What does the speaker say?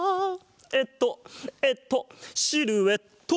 えっとえっとシルエット！